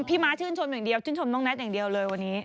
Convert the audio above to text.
ม้าชื่นชมอย่างเดียวชื่นชมน้องแท็ตอย่างเดียวเลยวันนี้